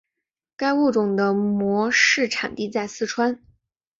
该物种的模式产地在四川。